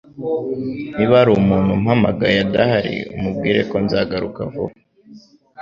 Niba hari umuntu umpamagaye adahari, umubwire ko nzagaruka vuba.